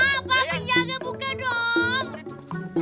pak pak penjaga buka dong